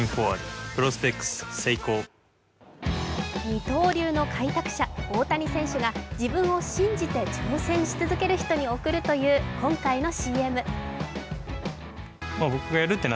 二刀流の開拓者、大谷選手が自分を信じて挑戦し続ける人に贈るという今回のＣＭ。